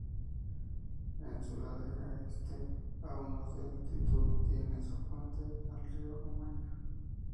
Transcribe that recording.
En su ladera este, a unos de altitud tiene su fuente el río Omaña.